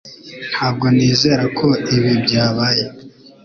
Ntabwo nizera ko ibi byabaye